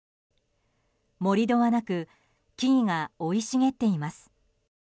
盛り土はなく木々が生い茂っています。